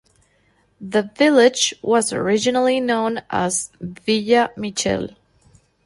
The village was originally known as 'Villa Michel'.